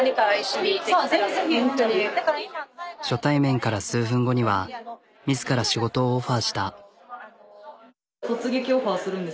初対面から数分後には自ら仕事をオファーした。